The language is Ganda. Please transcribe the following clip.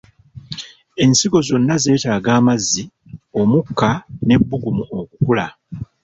Ensigo zonna zeetaaga amazzi, omukka n'ebbugumu okukula.